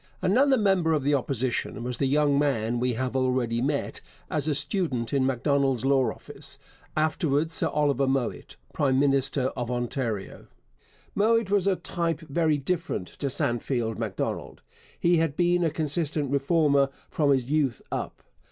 Another member of the Opposition was the young man we have already met as a student in Macdonald's law office, afterwards Sir Oliver Mowat, prime minister of Ontario. Mowat was of a type very different to Sandfield Macdonald. He had been a consistent Reformer from his youth up.